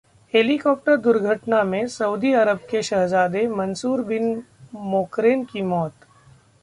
helicopter दुर्घटना में Saudi Arab के शहजादे मंसूर बिन मोकरेन की मौत